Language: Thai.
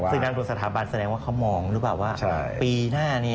ซึ่งนั่งทุนสถาบันแสดงว่าเขามองหรือเปล่าว่า